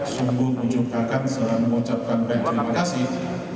sungguh menyukakan dan mengucapkan terima kasih